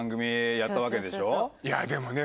いやでもね